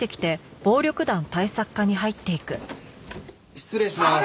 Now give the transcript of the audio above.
失礼します。